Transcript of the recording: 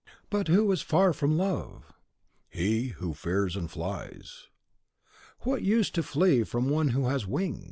(Dafne: But, who is far from Love? Tirsi: He who fears and flies. Dafne: What use to flee from one who has wings?